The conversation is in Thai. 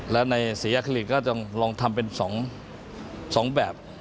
และในสีอาคิลิกก็จะลองทำเป็น๒แบบ